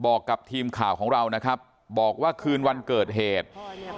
บอกกับทีมข่าวของเรานะครับบอกว่าคืนวันเกิดเหตุ